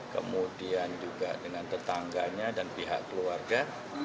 kemudian juga dengan tetangganya dan pihak keluarga